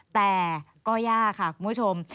แต่ก็ยากค่ะคุณผู้ชม